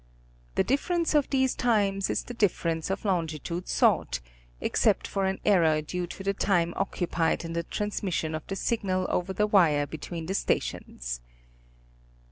The difference of these times is the difference of longitude sought, except for an error due to the time occupied in the transmission of the signal over the wire between the sta tions.